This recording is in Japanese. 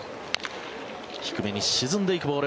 低めに沈んでいくボール。